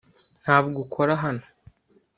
ntabwo ukora hano